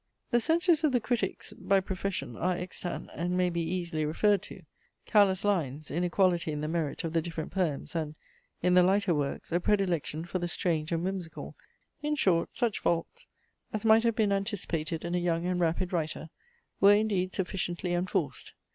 The censures of the critics by profession are extant, and may be easily referred to: careless lines, inequality in the merit of the different poems, and (in the lighter works) a predilection for the strange and whimsical; in short, such faults as might have been anticipated in a young and rapid writer, were indeed sufficiently enforced.